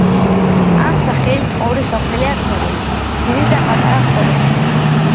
ამ სახელით ორი სოფელია ცნობილი: დიდი და პატარა ხორენია.